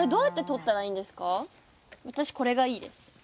私これがいいです。